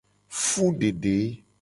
Fudede.